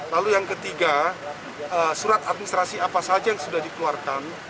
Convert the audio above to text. lalu yang ketiga surat administrasi apa saja yang sudah dikeluarkan